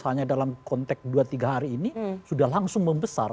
hanya dalam konteks dua tiga hari ini sudah langsung membesar